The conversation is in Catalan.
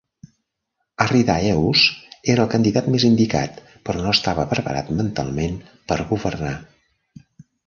Arrhidaeus era el candidat més indicat, però no estava preparat mentalment per governar.